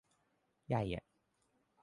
ใหญ่อะ